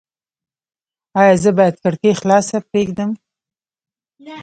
ایا زه باید کړکۍ خلاصه پریږدم؟